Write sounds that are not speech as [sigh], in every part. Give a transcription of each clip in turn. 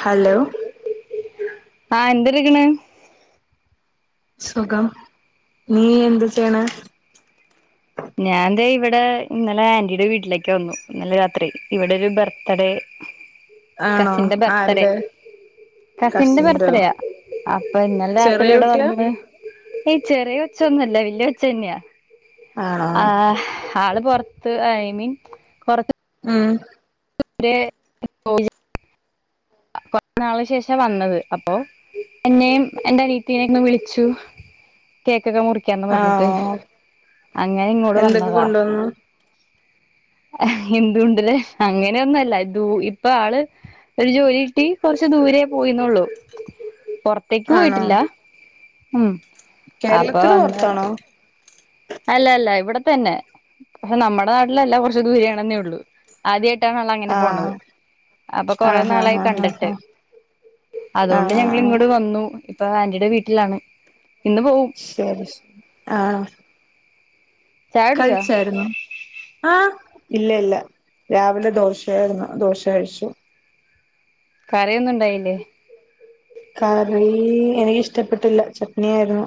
Hello ആ എന്തെട്ക്കണ്. സുഖം നീ എന്ത് ചെയ്യണേ. ഞാൻ തെ ഇവടെ ഇന്നലെ ആന്റിയുടെ വീട്ടിലേക്ക് വന്നു, ഇന്നലെ രാത്രി ഇവിടെ ഒരു ബർത്ത്ഡേ ആണോ കസിന്റെ ബർത്ത്ഡേ ആരുടെ കസിന്റെ കസിന്റോ ബർത്ത്ഡേയ അപ്പ ഇന്നലെ രാത്രി ചെറിയ ഇവടെ കുട്ടിയാ വന്ന്ന്. ഈ ചെറിയ ഒച്ച ഒന്നുംല്ല വല്യ ഒച്ച തന്നെയാ. ആണോ. ആഹ് ആള് പൊറത്ത് ഐ മീൻ കൊറ മ് [unintelligible] കൊറ നാള് ശേഷ വന്നത് അപ്പോ എന്നെയും എന്റെ അനിത്തിനെയും ക്കെ വിളിച്ചു. കേക്ക് മുറിക്കാന്ന് പറഞ്ഞിട്ട് ആഹ് അങ്ങനെ ഇങ്ങോട് എന്തൊക്കെ വന്നതാ. കൊണ്ടുവന്നു എന്തുകൊണ്ടുവരാൻ അങ്ങനെയൊന്നും അല്ല ഇത് ഇപ്പൊ ആള് ഒരു ജോലി ട്ടി കുറച്ച് ദൂരേ പോയിന്നള്ളു പുറത്തേക്ക് ആണോ പോയിട്ടില്ല ഉം അപ്പൊ കേരളത്തിന് അന്ന് പുറത്താണോ അല്ല അല്ല ഇവിടെ തന്നെ പക്ഷെ നമ്മടെ നാട്ടിലല്ല കുറച്ച് ദൂരയാണെന്നേ ഉള്ളു ആദ്യയായി- ട്ടാണ് അങ്ങനെ പോണത് ആഹ് അപ്പൊ കൊറെ ആഹ് ആഹ് നാളായി ആഹ് ആഹ് ആഹ് കണ്ടിട്ട് അതുകൊണ്ട് ആഹ് ആഹ് ഞങ്ങള് ഇങ്ങട്ട ആഹ് വന്നു ഇപ്പൊ ആന്റിയുടെ വീട്ടിലാണ് ഇന്ന് പോവും ശരി ശരി ആഹ ചായ കുടിച്ചോ കയിച്ചായിരുന്നു ആ ഇല്ല ഇല്ല രാവിലെ ദോശയരുന്നു ദോശ കഴിച്ചു കറിയോന്നും ഇണ്ടായില്ലേ കറി എനിക്ക്ഷ്ടപ്പെട്ടില്ല ചട്നി ആായിരുന്നു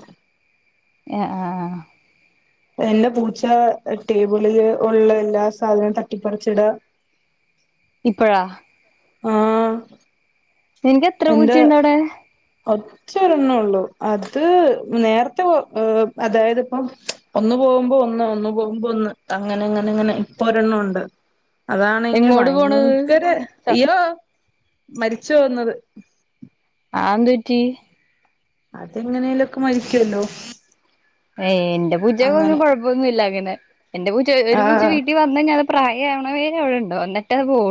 ആ ആ ആ എന്റെ പൂച്ച ടേബിളില് ഉള്ള എല്ലാ സാധനവും തട്ടിപ്പറിച്ചിട പ്പയ ആ നിനക്ക് എത്ര പൂച്ചയുണ്ട അടെ ഒച്ച ഒരെണ് ഉള്ളു അത് നേരത്തെ പോ ഏ അതായത് ഇപ്പം ഒന്ന് പോകുമ്പോ ഒന്ന് ഒന്ന് പോകുമ്പോ ഒന്ന് അങ്ങനെ അങ്ങനെ ഇങ്ങനെ ഇപ്പൊ ഒരെണ്ണംണ്ട് അതാണെങ്കി എങ്ങോട് പോണത് ഭയങ്കര അയ്യോ മരിച്ചു പോന്നത് ആ എന്തറ്റി അതെങ്ങനെേലൊക്കെ മരിക്കുവല്ലോ ഏയ് എന്റെ പൂച്ചോക്ക ഒന്നും അങ്ങനെ കൊഴപ്പമൊന്നും ഇല്ലനെ അ എന്റെ പൂച്ച ഒരു പൂച്ച ആഹ് വീട്ടിൽ വന്ന ഞൻ പ്രായ ആവണേര് അവിടെ ഉണ്ടോെ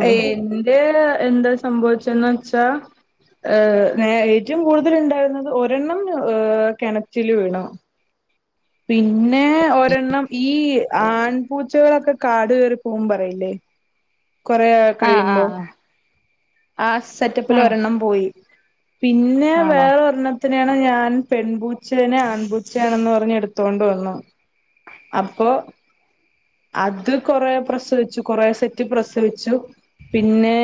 എറെ എന്താ സംഭവിച്ചന്ന് വെച്ചാ ഏ ഏറ്റവും കൂടുതൽ ഉണ്ടായിരുന്നത് ഒരെണ്ണം ഏ കിണറ്റില് വീണോ പിന്നെ ഒരെണ്ണം ഈ ആൺപൂച്ചകളൊക്കെ കാട് കയറി പോൻ പറയില്ലേ കൊറ ആഹ് കഴിയുമ്പോ ആഹ് ആ സെറ്റപ്പിൽ ആഹ് ഒരെണ്ണം പോയി പിന്നെ ആണോ വേറെ ഒരെണ്ണ നെയാണ് ഞാൻ പെൺപൂച്ചേനെ ആൺപൂച്ചയാണെന്ന് പർഞ്ഞു എടുത്തൊണ്ട് വന്നു അപ്പൊ അത് കൊറേ പ്രസവിച്ചു കൊറെ സെറ്റ് പ്രസവിച്ചു പിന്നെ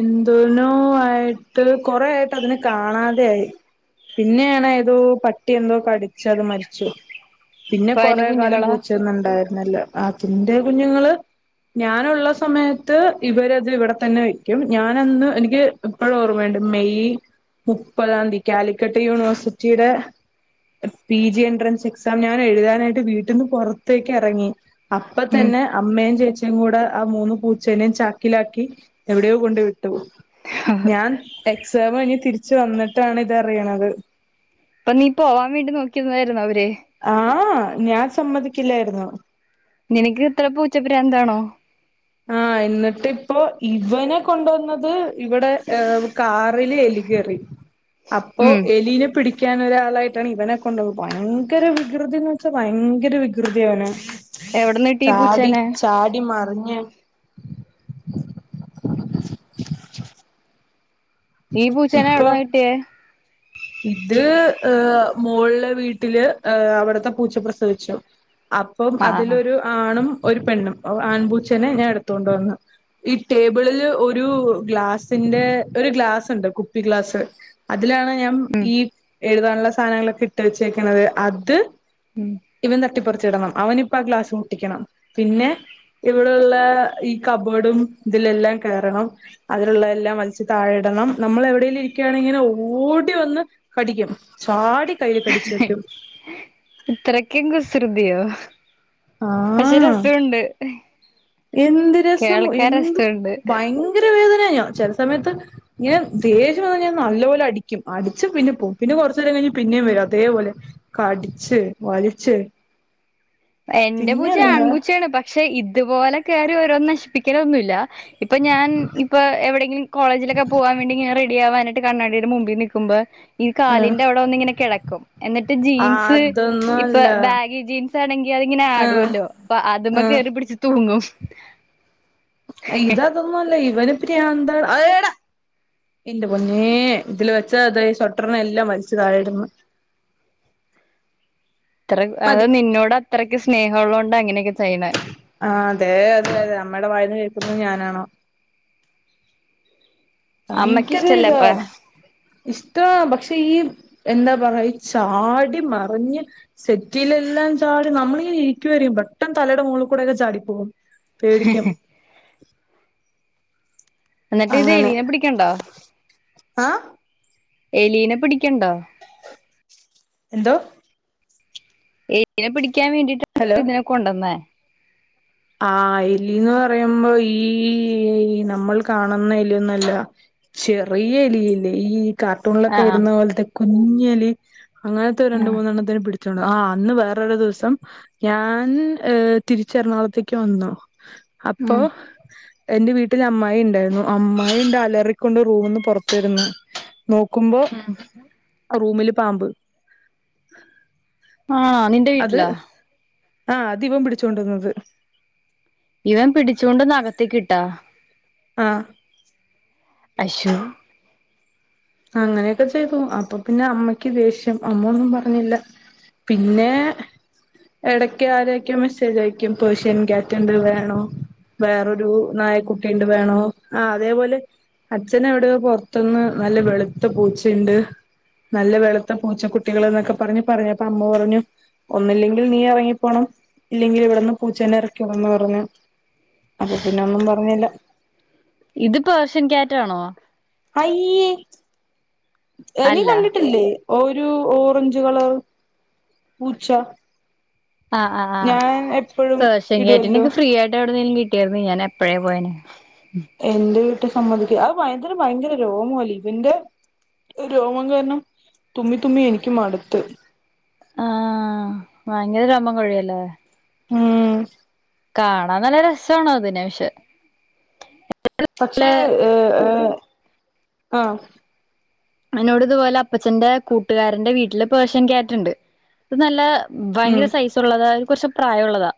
എന്തോ ആയിട്ട് കൊറെ ആയിട്ട് അതിനെ കാണാതെ ആയി പിന്നെയാണ് ഏതോ പട്ടിന്തോ കടിച്ച അത് മരിച്ചു പിന്നെ അപ്പൊ അതിന്റെ കൊറേ കാലം കുഞ്ഞുങ്ങളാ പൂച്ചിന്നുണ്ടായിരുന്നു ല്ല അതിന്റെ കുഞ്ഞുങ്ങള് ഞാനുള്ള സമയത്ത് ഇവരത് ഇവിടെ തന്നെ വയ്ക്കും ഞാനന്ന് എനിക്ക് ഇപ്പോഴ ഓർമ്മയണ്ട് മെയ് മുപ്പതാം തീയതി കാലിക്കട്ട് യൂണിവേഴ്സിറ്റിയുടെ പി ജി എൻട്രൻസ് എക്സാം ഞാൻ എഴുതാനായിട്ട് വീ ട്ടന്ന് പുറത്തേക്ക് ഇറങ്ങി അപ്പ ഉം തന്നെ അമ്മയും ചേചി അച്ചയും കൂടെ ആ മൂന്ന് പൂച്ചേനയും ചാക്കിലാക്കി എവിടെയോ കൊണ്ട് വിട്ട ഞാൻ എ എക്സാം കഴിഞ്ഞ് തിരിച്ച് വന്നിട്ടാണ് ഇതറിയണത്. അപ്പൊ നീ പോവാൻ വേണ്ടി നോക്കിരതായിരുന്നു അവ ആ ഞാൻ സമ്മതിക്കില്ലായിരുന്നു. നിനക്ക് ഇത്ര പൂച്ചഭ്രാന്താണോ? ആ എന്നിട്ട് ഇപ്പോ ഇവനെ കൊണ്ടുവന്നത് ഇവിടെ കാറില് എലി കേറി അപ്പോ ഉം എലീനെ പിടി ക്കാനൊരാളായിട്ടാണ് ഇവനെക്കൊണ്ട് ഭയങ്കര വികൃതിന്ന് വെച്ചാ ഭയങ്കര വികൃതി അവന്. എവിടന്ന് കിട്ടി ഈ ചാടി പൂച്ചേനെ ചാടി മറി [unintelligible] ഈ പൂച്ചേനെ ഇപ്പൊ എവിടന്ന കിട്ടിയേ? ഇത് ഏഹ് മോളിലെ വീട്ടില് അവിടുത്തെ പൂച്ച പ്രസവിച്ചു. അപ്പം ആഹ് അതിലൊരു ആണും, ഒരു പെണ്ണും ആൺപൂച്ചേനെ ഞാനെടുത്തൊണ്ട് വന്ന്. ഈ ടേബിളില് ഒരു ഗ്ലാസിന്റെ ഒരു ഗ്ലാസ് ഉണ്ട്, കുപ്പി ഗ്ലാസ് അ തിലാണ് ഞാൻ ഉം ഇ എഴുതാനുള്ള സാധനങ്ങളൊക്കെയിട്ട് വെച്ചേക്കണത് അത് ഉം ട്ടിപ്പറിച്ചിടണം അവനിപ്പ ആ ഗ്ലാസ് പൊട്ടിക്കണം പിന്നെ ഇവിടൊള്ള ഈ കബോർഡും ഇതിലെല്ലാം കേറണം അതിലുള്ള എല്ലാം വലിച്ച് താഴെയിടണം നമ്മളെവിടേലും ഇരിക്കുയാണെയിങ്ങനെ ഇങ്ങനെ ഓടി വന്ന് കടിക്കും ചാടി കയ്യിൽ കടിച്ചു വെക്കും ഇത്രയ്ക്കും കുസു തിയോ? ആ എന്ത് രസം കേൾക്കാൻ എന്ത് രസവുണ്ട് ഭയങ്കര വേദനയാ ചെല സമയത്ത് ഇങ്ങനെ ദേഷ്യം വന്ന് കഴിഞ്ഞാ ഞാൻ നല്ല പോലെ അടിക്കും അടിച്ച് പിന്നെ പോവും പിന്നെ കൊറച്ച് നേരം പിന്നേം വരും അതേപോലെ കടിച്ച് വലിച്ച് എന്റെ പിന്നെ പൂച്ച എന്താ ആൺപൂച്ചയാണ് പക്ഷേ ഇ തുപോലെ കേറി ഓരോന്ന് നശിപ്പിക്കലൊന്നുമില്ല. ഇപ്പ ഞാൻ ഇപ്പ എവിടെയെങ്കിലും കോളേജിലൊക്കെ പോവാൻ വേണ്ടിയിങ്ങനെ റെഡിയാവനാ കണ്ണാടിടെ മുമ്പി നിക്കുമ്പോ ഈ ആഹ് കാലിന്റെ അവിടെ വന്നിങ്ങനെ കെടക്കും എന്നിട്ട് ജീൻസ് അതൊന്നും ഇപ്പ അല്ല ബാഗി ജീൻസാണെ ഇങ്ങനെ ആഹ് ആടുവല്ലോ അപ്പ അതുമേ കേറി പിടിച്ച് തൂ ങ്ങും അയി ഇത് അതൊന്നുമല്ല ഇവന് ഭ്രാന്താണ് അ എടാ എൻ്റെ പൊന്നെ ഇതില് വെച്ച ദേ കർട്ടൻ എല്ലാം വലിച്ച് താഴെ ഇടുന്ന് അത്ര അ നിന്നോട് അത്ര സ്നേഹളോണ്ടാ ഇങ്ങനെയൊക്കെ ആ അതെ അതെ അതെ നമ്മടെ വായന്ന് ന്നത് ഞാനാണോ അമ്മയ്ക്ക് ഭയങ്കര ഇത ഇഷ്ടല്ലപ്പാ ഇഷ്ട പക്ഷെ ഈ എന്താ പറ ചാടി മറിഞ്ഞ് സെറ്റിയിലെല്ലാം ചാടി നമ്മളിനെ ഇരിക്ക വരും പെട്ടെന്ന് തലയുടെ മുകളിൽ കൂടെയൊക്കെ ചാടിപ്പോകും പേടിക്കും എന്നിട്ട് ഇത് അങ്ങനെ എലീനെ പിടിക്കണണ്ടോ ആഹ് എലീനെ പിടിക്കണണ്ടോ എന്തോ എലീനെ പിടി ക്കാൻ വേണ്ടിട്ടാണ് ഇതിനെ കൊണ്ടുവന്നേ ആ എലിന്ന് പറയുമ്പോ ഈ നമ്മൾ കാണുന്ന എലിയൊന്നല്ല ചെറിയ എലി ഇല്ലേ ഈ കാർട്ടൂണിലൊക്കെ ആഹ് വരുന്ന പോലത്ത കു കുഞ്ഞെലി അങ്ങനത്തെ ഒരു രണ്ട് ആഹ് മൂന്നെണ്ണത്തിന് പിടിച്ചു പിടിച്ച് ആ അന്ന് വേറൊരു ദിവസം ഞാൻ ആഹ് തിരിച്ച എറണാകുളത്തേക്ക് ക്ക് വന്നു അപ്പൊ ഉം എൻ്റെ വീട്ടില് അമ്മായി ഉണ്ടായിരുന്നു അമ്മായി ഉണ്ട് അലറിക്കൊണ്ട് റൂമിന്ന് പുറത്ത് വരുന്നു നോക്കുമ്പോ ഉം റൂമില് പാമ്പ് ആഹ് നിന്റെ വീട്ടിലാ ആഹ് അതിവൻ പിടിച്ചോണ്ട് വന്നത് ഇവൻ പിടിച്ചുകൊണ്ട് അകത്തേകിട്ട് കിട്ട ആ അശോ അങ്ങനെയൊക്കെ ചെയ്തു അപ്പൊ പിന്നെ അമ്മയ്ക്ക് ദേഷ്യം അമ്മൊന്നും പറഞ്ഞില്ല പിന്നെ ഇടക്ക് ആരെയൊക്കെ മെസ്സേജ് ആയക്കും പേഷ്യൻ കാറ്റ് ഉണ്ട് വേണോ വേറൊരു നായക്കുട്ടിണ്ട് വേണോ ആ അതേപോലെ അച്ഛന് എവിടെയോ പുറത്തുന്ന് നല്ല വെളുത്ത പൂച്ചണ്ട് നല്ല വെളുത്ത പൂച്ച കുട്ടികൾ ന്നൊക്കെ പറഞ്ഞു പറഞ്ഞു അപ്പൊ അമ്മ പറഞ്ഞു ഒന്നില്ലെങ്കിൽ നീ എറങ്ങിപ്പോണം ഇല്ലെങ്കിൽ ഇവിടെന്ന് പൂച്ച ന്നെ എറക്കി വിടണം ന്ന് പറഞ്ഞു അപ്പൊ പിന്നെ ഒന്നും പറഞ്ഞില്ല ഇത് പേർഷ്യൻ ക്യാറ്റാണോ അയ്യേ എ നീ അല്ല കണ്ടിട്ടില്ലേ ഒരു ഓറഞ്ച് കളർ പൂച്ച ആആ് ആ ഞാൻ എപ്പോഴും പേർഷ്യൻ ക്യാറ്റിനെ ഇടുവല്ലോ ഒക്കെ ഫ്രീ ആയിട്ട് എവിടെന്നെങ്കിലും കി ട്ടേർന്നങ്കി ഞാൻ എപ്പഴേ പോയേനെ എന്ത് റ്റ സമ്മതി അ ഭയങ്കര ഭയങ്കര രോമല്ല ഇവന്റെ രോമം കാരണം തുമ്മി തുമ്മി എനിക്ക് മട്ത്ത് ആ ഭയങ്കര രോമം കൊഴിണ്ടോ ഉം കാണാ നല്ല രസാണ് അതിനെ പഷെ പക്ഷേ ഏ ഏ ആ അന്നോട് ഇതുപോലെ അപ്പച്ചന്റെ കൂട്ടുകാരന്റെ വീട്ടില് പേർഷ്യൻ ക്യാറ്റ്ണ്ട് അത് നല്ല ഉം ഭയങ്കര സൈസ് ഉള്ളതാ അത് കുറച്ച് പ്രായം ഒള്ളതാ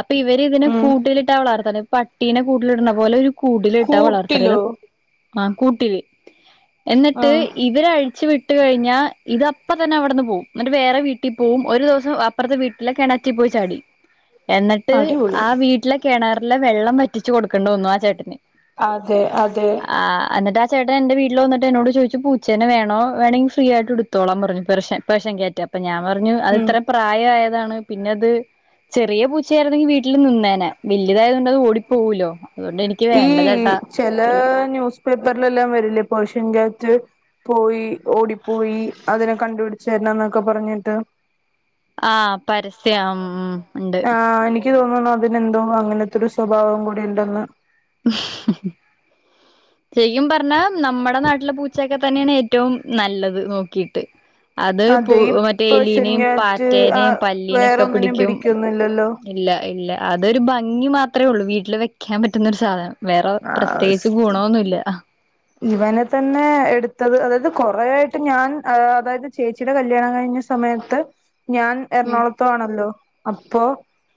അപ്പൊ ഇവര് ഇതിനെ ഉം കൂട്ടിലിട്ടാ വളർത്തണ് പട്ടീനെ കൂട്ടിലിട്ണ പോലെ ഒരു കൂടിലിട്ടാ വളർത്തണത് കൂട്ടിലോ ആ കൂട്ടില് ട്ട് ആഹ് ഇവരഴിച്ചു വി ട്ട് കഴിഞ്ഞാ ഇത് അപ്പം തന്നെ അവിടുന്ന് പോവും എന്നിട്ട് വേറെ വീട്ടിൽ പോവും ഒരു ദിവസം അപ്പുറത്തെ വീട്ടിലെ കെണറ്റി പോയി ചാടി എന്നിട്ട് അടിപൊളി ആ വീട്ടിലെക്കെണർ ല്ല വെള്ളം വറ്റിച്ച് കൊടുക്കേണ്ടു വന്നു ആ ചേട്ടന് അതെ അതെ ആ എന്നിട്ട് ആ ചേട്ടൻ എന്റെ വീട്ടിൽ വന്നിട്ട് എന്നോട് ചോയിച്ചു പൂച്ചേനെ വേണോ വേണെങ്കി ഫ്രീ ആയിട്ട്ടുത്തോളാം പറഞ്ഞു പെറു ഷൻ പേർഷ്യൻ ക്യാറ്റ് അപ്പ ഞാൻ പറഞ്ഞു അത് ഉം ഇത്ര പ്രായ യ പിന്നെത് ചെറിയ പൂച്ച ആരുന്നെങ്കി വീട്ടില് നിന്നേനെ വല്യത ഈ ചേട്ടാ ചെല ന്യൂസ് പേപ്പറിലെല്ലാം വരില്ലേ പേർഷൻ ക്യാറ്റ്- പോയി ഓടിപ്പോയി അതിനെ കണ്ടുപിടിച്ചരണം ന്നൊക്കെ പറഞ്ഞിട്ട് ആ പരസ്യം ഉണ്ട് ആ എനി നിക്ക് തോന്നുന്നു അതിനെന്തോ അങ്ങനത്തെ ഒരു സ്വഭാവം കൂടി ഉണ്ടെന്ന് ശെരിക്കും പറഞ്ഞാ നമ്മുടെ നാട്ടിലെ പൂച്ചൊക്കെ തന്നെയാണ് ഏറ്റവും നല്ലത് നോക്കിട്ട് അത് പൂ അതെ ഈ മറ്റേ പേർഷ്യൻ എലീനേയും ക്യാറ്റ് പാറ്റേനെയും ആഹ് പല്ലീനെക്കെ വേറൊന്നിനും പിടിക്കും പിടിക്കൊന്നുല്ലല്ലോ ഇല്ല ഇല്ല അതൊരു ഭംഗി മാത്രേ ഒള്ളൂ വീട്ടിൽ വെക്കാൻ പ ഇന്നൊരു സാധനം വേറെ ആഹ് പ്രത്യേകിച്ച് സത്യം ഗുണൊഒന്നുല്ല ഇവനെ തന്നെ എട്ത്തത് അതായത് കൊറേ ആയിട്ട് ഞാൻ അതായത് ചേച്ചിടെ കല്യാണം കഴിഞ്ഞ സമയത്ത് ഞാൻ ഉം എറണാകുളത്തു ആണല്ലോ അപ്പോ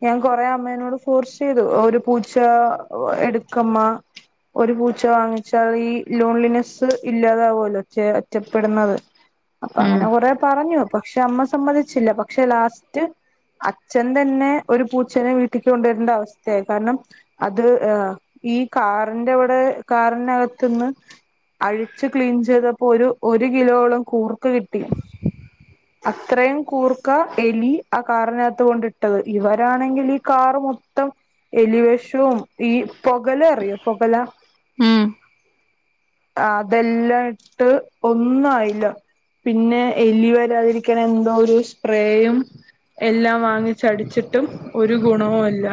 ഞാൻ കൊറേ അമ്മേനോട് ഫോർസെയ്തു ഒരു പൂച്ച എടുക്കമ്മ ഒരു പൂച്ച വാങ്ങിച്ചാൽ ഈ ലോൺലിനെസ്സ് ഇല്ലാതാവാെല്ലോ ഒറ്റ ഒറ്റപ്പെടുന്നത് അപ്പൊ അങ്ങനെ കൊറേ പറഞ്ഞു പക്ഷെ അമ്മ സമ്മതിച്ചില്ല പക്ഷെ ലാസ്റ്റ് അച്ഛൻ തന്നെ ഒരു പൂച്ചെനെ വീട്ടിക്ക് കൊണ്ട് വരെണ്ടെ അവസ്ഥയി കാരണം അത് എ ഈ കാറിൻന്റെവടെ കാറിനകത്ത്ന്ന് അഴിച്ചു ക്ലീൻ ചെയ്തപ്പോ ഒരു ഒരു കിലോളം കൂർക്ക കിട്ടി അത്രയും കൂർക്ക എലി ആ കാറിനകത്ത് കൊണ്ട്ട്ടത് ഇവരാണെങ്കിൽ ഈ കാർ മൊത്തം എലിവെഷവും ഈ പൊകല അറിയോ പൊകല ഉം അതെല്ലാം ഇട്ട് ഒന്നു ആയില്ല പിന്നെ എലി വരാതിരിക്ക്ണ എന്തോ ഒര് സ്പ്രേയും എല്ലാം വാങ്ങിച്ചടിച്ചിട്ടും ഒരു ഗുണവുല്ല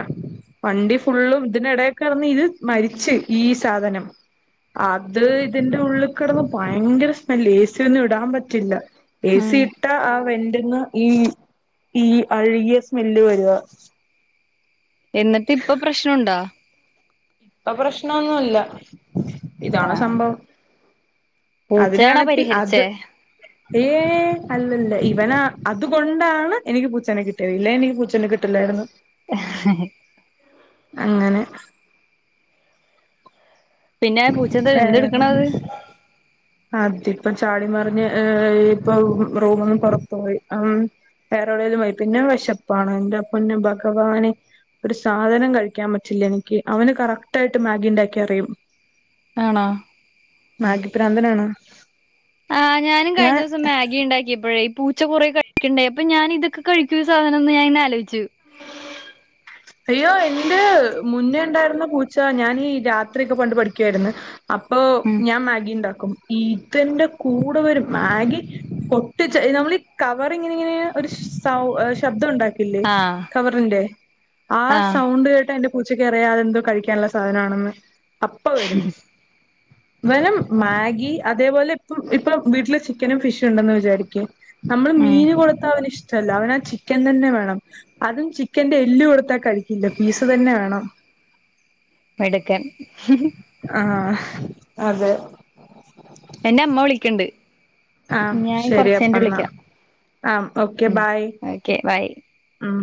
വണ്ടി ഫുള്ളും ഇതിനെടേ കെടന്ന് ഇത് മരിച്ച് ഈ സാധനം അ അത് ഇതിന്റെ ഉള്ളി കെടന്ന് ഭയങ്കര സ്മെല്ല് ഏസി ഒ ടാൻ പറ്റില്ല ഏസി ഉം ഇട്ട ആ വെ ന്ന് ഈ ഈ അഴ്കിയ സ്മെല്ല് വരുവാ എന്നിട്ട് ഇപ്പൊ പ്രശ്നുണ്ടാ ഇപ്പൊ പ്രശ്നൊന്നുല്ല ഇതാണ് ആഹ് സംഭവം പൂച്ചയാണോ അതിനാണിപ്പ അത് പരിഹരിച്ചേ ഏ അല്ലല്ല ഇ ന അതുകൊണ്ടാണ് എനിക്ക് പൂച്ചേനെ കിട്ടിയത് ഇല്ലേ എനിക്ക് പൂച്ചേനെ കിട്ടില്ലായിരുന്നു ഹ് ഹ ഹി അങ്ങനെ പിന്നെ പൂച്ചന്തെ ന്ത്ട്ക്ക്ണ അത് അതിപ്പം ചാടി മറിഞ്ഞ് ഏ ഇപ്പൊ റൂമ്ന്ന് പാെറത്ത് പോയി അ വേറെവിടേലും പോയി പിന്നെ വെശപ്പാണ് എന്റെ പൊന്ന് ഭഗവാനെ ഒര് സാധനം കഴിക്കാൻ പറ്റില്ല എനിക്ക് അവന് കറക്റ്റ് ആയിട്ട് മാഗിണ്ടാക്ക്യ അറിയും ആണോ ആണാ ആ ഞാനും കഴിഞ്ഞ ദിവസം മാഗിണ്ടാക്കിയപ്പോഴേ പൂ ച്ച കുറേ കഴിക്കണ്ടായി അപ്പൊ ഞാൻ ഇതൊക്കെ കഴിക്കാേ ഈ സാധനംന്ന് ഞാൻ ഇങ്ങനെ ആലോചിച്ചു അയ്യോ എന്റെ മുന്നേ ഉണ്ടായിരുന്ന പൂച്ച ഞാനീ രാത്രിയൊക്കെ പണ്ട് പഠിക്കുവായിര്ന്ന് അപ്പോ ഉം ഞാൻ മാഗീണ്ടാക്കും ഇതെന്റെ കൂടെ വരും മാഗി പൊട്ടിച്ച നമ്മളീ കവറിങ്ങിനിങ്ങനെ ഒരു സൗ ശബ്ദം ഉണ്ടാ ക്കില്ലേ ആഹ് കവറിന്റെ ആ ആഹ് സൗണ്ട് കേ ട്ടാ എന്റെ പൂച്ചക്കറിയ അതെന്തോ കഴിക്കാന്ള്ള സാധനാണെന്ന് അപ്പ വരും വെനം മാഗി അതേപോലെ ഇപ്പം ഇപ്പ വീട്ടില് ചിക്കനും ഫിഷുംണ്ടെന്ന് വിചാരിക്കേ നമ്മള് ഉം മീന് കൊടുത്ത അവന്ന് ഇഷ് അവന ആ ചിക്കൻ തന്നെ വേണം അതും ചിക്കന്റെറെ എല്ല് കൊടുത്ത കഴിക്കില്ല പീസ തന്നെ വേണം മെടുക്കൻ ആഹ അതെ എന്റെ അമ്മ വിളിക്കണ്ട് ഞാൻ ആശരിയപ്പ കൊറച്ചഴിഞ്ഞിട്ട് എന്നാ വിളിക്കാം ആ ഓക്കെ ഉം ബായ ഓക്കെ ബൈ ആം